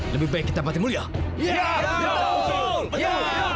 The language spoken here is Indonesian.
semoga kita berjaya